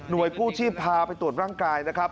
โดยกู้ชีพพาไปตรวจร่างกายนะครับ